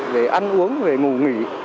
về ăn uống về ngủ nghỉ